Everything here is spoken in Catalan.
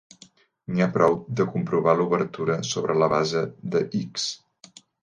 N'hi ha prou de comprovar l'obertura sobre la base de "X".